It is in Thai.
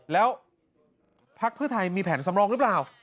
แล้วพักเพื่อไทยมีแผนสำรองหรือเปล่า